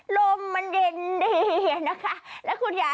ลมมันเย็นดีนะคะ